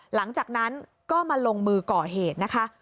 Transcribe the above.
หลังจากนั้นก็มาลงมือก่อเหตุนะคะ